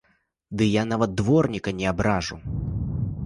Ды я нават дворніка не абражу!